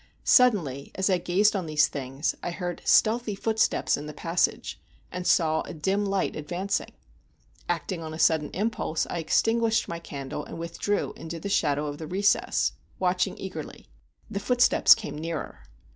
Suddenly, as I gazed on these things, I heard stealthy footsteps in the passage, and saw a dim light advancing. Acting on a sudden impulse, I extinguished my candle and withdrew into the shadow of the recess, watching eagerly. The footsteps came nearer.